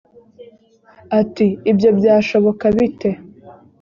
ati ibyo byashoboka bite